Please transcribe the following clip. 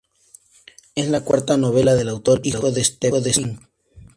Es la cuarta novela del autor, hijo de Stephen King.